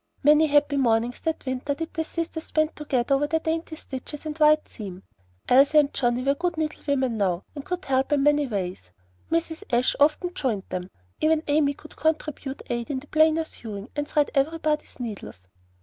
Many happy mornings that winter did the sisters spend together over their dainty stitches and "white seam." Elsie and Johnnie were good needle women now, and could help in many ways. Mrs. Ashe often joined them; even Amy could contribute aid in the plainer sewing, and thread everybody's needles.